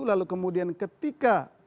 lalu kemudian ketika